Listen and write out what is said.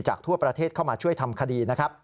ทั่วประเทศเข้ามาช่วยทำคดีนะครับ